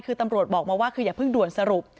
คือตำรวจบอกมาว่าคืออย่าเพิ่งด่วนสรุป